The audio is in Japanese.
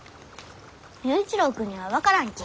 佑一郎君には分からんき。